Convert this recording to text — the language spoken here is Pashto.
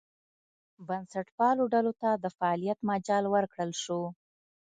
بنسټپالو ډلو ته د فعالیت مجال ورکړل شو.